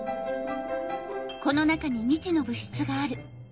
この中に未知の物質がある。